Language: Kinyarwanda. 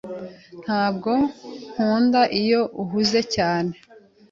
Ntabwo nkunda iyo uhuze cyane.